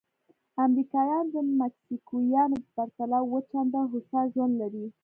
امریکایان د مکسیکویانو په پرتله اووه چنده هوسا ژوند لري.